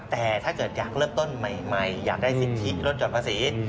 แต่ถ้าเกิดอยากเริ่มต้นใหม่อยากได้สิทธิลดหย่อนภาษี